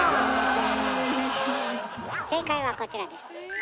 正解はこちらです。